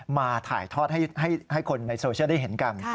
มาถ่ายทอดให้คนในโซเชียลได้เห็นกัน